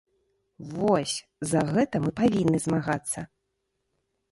Вось, за гэта мы павінны змагацца.